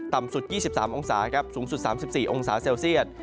สุด๒๓องศาครับสูงสุด๓๔องศาเซลเซียต